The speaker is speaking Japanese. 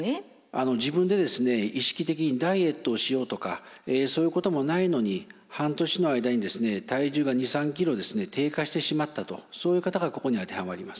自分で意識的にダイエットをしようとかそういうこともないのに半年の間に体重が２３ｋｇ低下してしまったとそういう方がここに当てはまります。